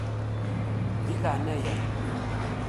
Di leɛnaya-m.